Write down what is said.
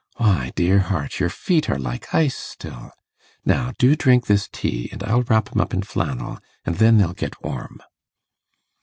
Why, dear heart, your feet are like ice still. Now, do drink this tea, and I'll wrap 'em up in flannel, and then they'll get warm.